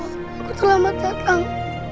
aku selamat datang